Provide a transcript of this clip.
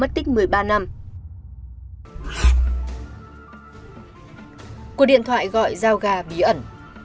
cuộc điện thoại gọi giao gà bí ẩn